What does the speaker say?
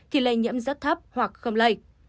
thì lây nhiễm rất thấp hoặc không lây